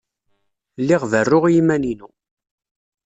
Lliɣ berruɣ i yiman-inu.